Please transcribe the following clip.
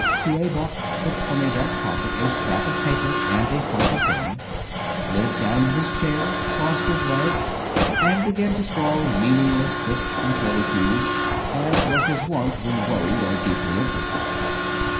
T. A. Buck took from a vest pocket a scrap of paper and a fountain pen, slid down in his chair, crossed his legs, and began to scrawl meaningless twists and curlycues, as was his wont when worried or deeply interested.